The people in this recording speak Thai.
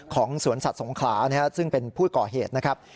ของสวรรค์สัตว์สงขราซ์ซึ่งเป็นผู้ก่อเหตุนะครับ